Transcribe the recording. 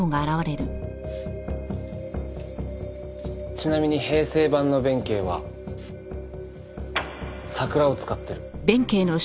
ちなみに平成版の弁慶は桜を使ってる。